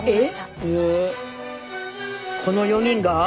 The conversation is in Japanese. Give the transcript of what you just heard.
この４人が？